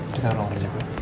kita orang lain jago ya